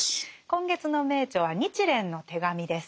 今月の名著は「日蓮の手紙」です。